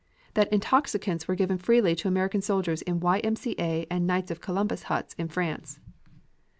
That intoxicants were given freely to American soldiers in Y. M. C. A. and Knights of Columbus huts in France.